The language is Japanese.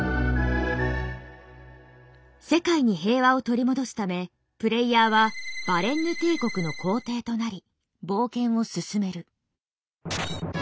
世界に平和を取り戻すためプレイヤーはバレンヌ帝国の皇帝となり冒険を進める。